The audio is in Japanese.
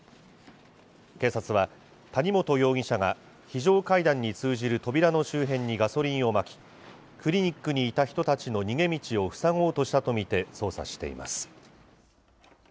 警察は、谷本容疑者が非常階段に通じる扉の周辺にガソリンをまき、クリニックにいた人たちの逃げ道を塞ごうとしたと見て、捜査しています。